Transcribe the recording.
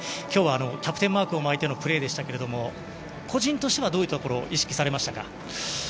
今日はキャプテンマークを巻いてのプレーでしたけども個人としてはどういうところを意識されましたか。